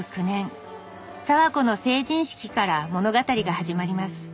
早和子の成人式から物語が始まります。